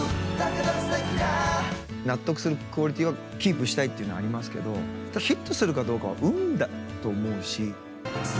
納得するクオリティーをキープしたいっていうのはありますけどヒットするかどうかは運だと思うし。